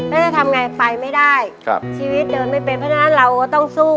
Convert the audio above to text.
แล้วจะทำไงไปไม่ได้ครับชีวิตเดินไม่เป็นเพราะฉะนั้นเราก็ต้องสู้